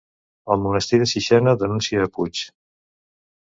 El monestir de Sixena denuncia a Puig